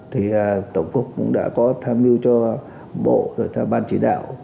thì tổng cục cũng đã có tham lưu cho bộ và ban chỉ đạo